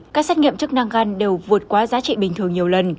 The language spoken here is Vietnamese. các xét nghiệm chức năng gan đều vượt qua giá trị bình thường nhiều lần